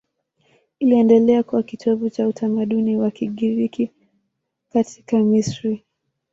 Iliendelea kuwa kitovu cha utamaduni wa Kigiriki katika Misri.